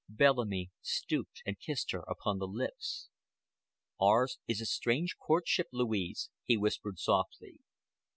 Bellamy stooped and kissed her upon the lips. "Ours is a strange courtship, Louise," he whispered softly.